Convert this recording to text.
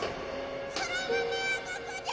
空豆はここじゃ！